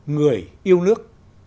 người yêu nước